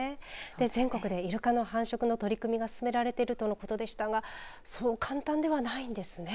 全国でいるかの繁殖の取り組みが進められているとのことでしたがそう簡単ではないんですね。